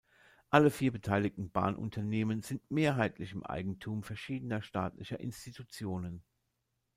Alle vier beteiligten Bahnunternehmen sind mehrheitlich im Eigentum verschiedener staatlicher Institutionen.